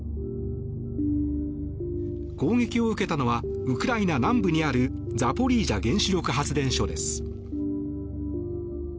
攻撃を受けたのはウクライナ南部にあるザポリージャ原子力発電所です。